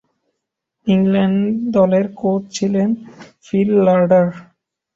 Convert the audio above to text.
England দলের coach ছিলেন Phil লারডার।